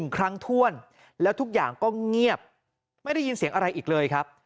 ครั้งถ้วนแล้วทุกอย่างก็เงียบไม่ได้ยินเสียงอะไรอีกเลยครับ